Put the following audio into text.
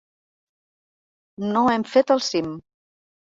No hem fet el cim.